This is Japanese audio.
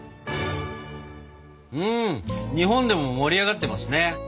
日本でも盛り上がってますね。